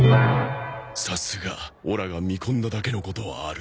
さすがオラが見込んだだけのことはある。